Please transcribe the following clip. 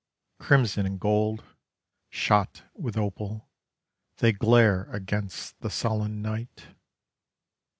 Crimson and gold, Shot with opal, They glare against the sullen night.